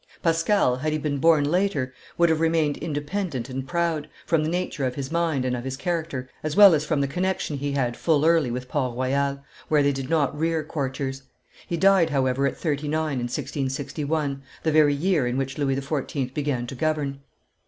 Pascal, had he been born later, would have remained independent and proud, from the nature of his mind and of his character as well as from the connection he had full early with Port Royal, where they did not rear courtiers; he died, however, at thirty nine, in 1661, the very year in which Louis XIV. began to govern.